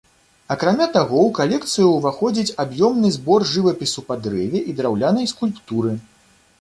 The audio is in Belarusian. Акрамя таго ў калекцыю ўваходзіць аб'ёмны збор жывапісу па дрэве і драўлянай скульптуры.